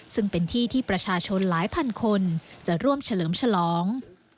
ซึ่งเป็นที่ที่ประชาชนหลายพันคนจะร่วมเฉลิมฉลอง